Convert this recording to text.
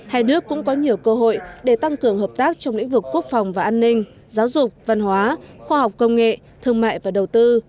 hai nước cũng có nhiều cơ hội để tăng cường hợp tác trong lĩnh vực quốc phòng và an ninh giáo dục văn hóa khoa học công nghệ thương mại và đầu tư